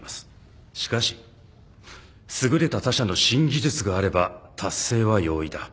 しかし優れた他社の新技術があれば達成は容易だ。